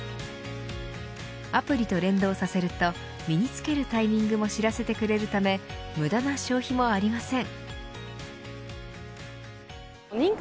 アプリと連動させると身に着けるタイミングも知らせてくれるため無駄な消費もありません。